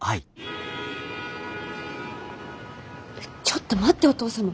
ちょっと待ってお父様。